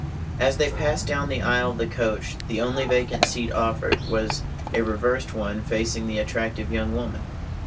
As they passed down the aisle of the coach the only vacant seat offered was a reversed one facing the attractive young woman.